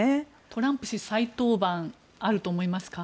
トランプ氏再登板あると思いますか？